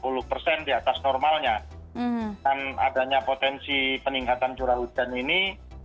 jadi kalau kita melihat normalnya dan adanya potensi peningkatan curah hujan ini